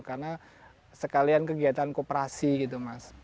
karena sekalian kegiatan kooperasi gitu mas